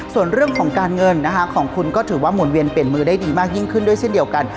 ส่วนเรื่องของการเงินนะคะของคุณก็ถือว่าหมุนเวียนเปลี่ยนมือได้ดีมากยิ่งขึ้นด้วยเช่นเดียวกัน